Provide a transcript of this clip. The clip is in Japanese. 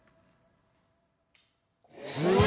すごい！